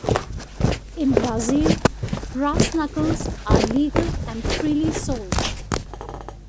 In Brazil, brass knuckles are legal and freely sold.